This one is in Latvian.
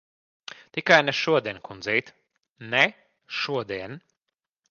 Tikai ne šodien, kundzīt. Ne šodien!